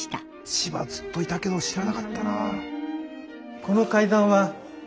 千葉ずっといたけど知らなかったな。